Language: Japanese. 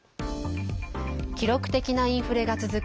記録的なインフレが続く